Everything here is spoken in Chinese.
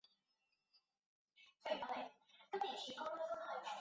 这一函数可以解析延拓为整个复平面上的亚纯函数。